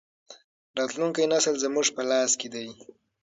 راتلونکی نسل زموږ په لاس کې دی.